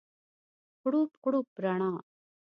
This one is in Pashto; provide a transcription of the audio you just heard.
غوړپ، غوړپ رڼا